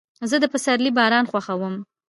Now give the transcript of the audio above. زه د پسرلي باران خوښوم.